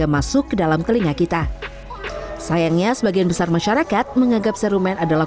masuk ke dalam telinga kita sayangnya sebagian besar masyarakat menganggap serumen adalah